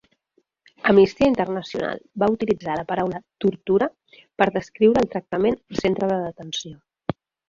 Amnistia Internacional va utilitzar la paraula "tortura" per descriure el tractament al centre de detenció.